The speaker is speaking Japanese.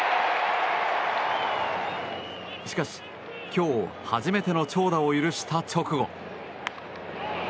しかし、今日初めての長打を許した直後。